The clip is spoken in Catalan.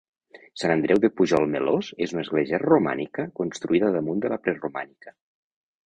Sant Andreu de Pujol Melós és una església romànica construïda damunt de la preromànica.